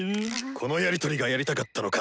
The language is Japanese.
このやり取りがやりたかったのか。